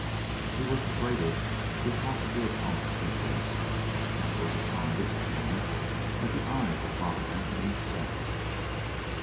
He was the greater because of the opponent he faced, and it was upon this opponent that the eyes of Father Anthony centered.